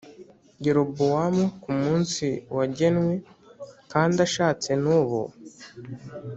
Yerobowamu ku munsi wagenwe kandi ashatse n ubu